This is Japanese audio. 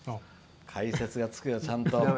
解説がつくよ、ちゃんと。